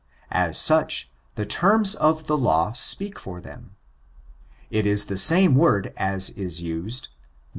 As such, the terms of the law speak of them. It is the same word as is used, Num.